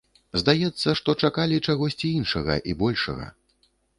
Здаецца, што чакалі чагосьці іншага і большага.